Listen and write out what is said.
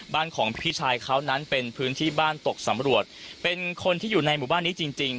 บ้านของพี่ชายเขานั้นเป็นพื้นที่บ้านตกสำรวจเป็นคนที่อยู่ในหมู่บ้านนี้จริงจริง